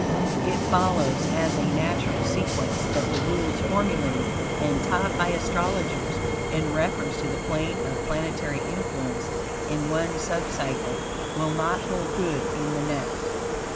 It follows, as a natural sequence, that the rules formulated and taught by astrologers in reference to the plane of planetary influence in one sub cycle will not hold good in the next.